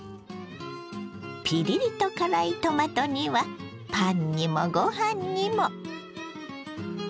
ピリリと辛いトマト煮はパンにもご飯にも。